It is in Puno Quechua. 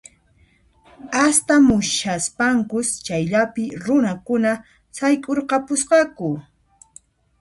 Astamushaspankus chayllapi runakuna sayk'urqapusqaku